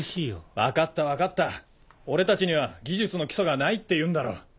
分かった分かった俺たちには技術の基礎がないっていうんだろ。